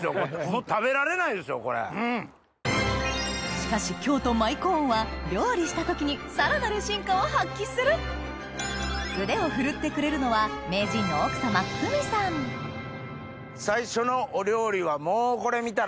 しかし京都舞コーンは料理した時にさらなる真価を発揮する腕を振るってくれるのは最初のお料理はもうこれ見たら。